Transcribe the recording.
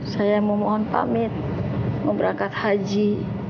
saya memohon pamit memberangkat haji